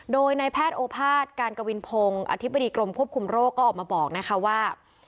โดยในแพทย์โอภาษย์การกวินพงศ์อธิบดีกรมควบคุมโรคก็ออกมาบอกนะคะว่า